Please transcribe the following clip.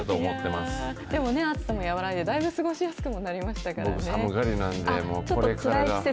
でもね、暑さも和らいでだいぶ過ごしやすくもなりましたから僕、寒がりなんで、これから。